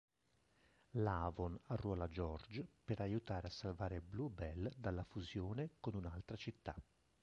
Lavon arruola George per aiutare a salvare BlueBell dalla fusione con un'altra città.